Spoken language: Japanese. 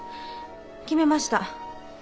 決めました。